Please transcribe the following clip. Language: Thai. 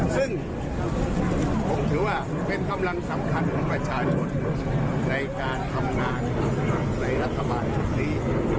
ซึ่งผมถือว่าเป็นกำลังสำคัญของประชาชนในการทำงานในรัฐบาลชุดนี้